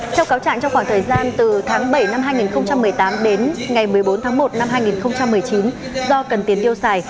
theo cáo trạng trong khoảng thời gian từ tháng bảy năm hai nghìn một mươi tám đến ngày một mươi bốn tháng một năm hai nghìn một mươi chín do cần tiền tiêu xài